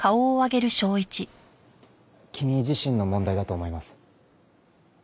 君自身の問題だと思います。